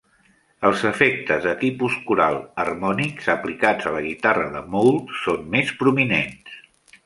Els efectes de tipus coral, harmònics, aplicats a la guitarra de Mould són més prominents.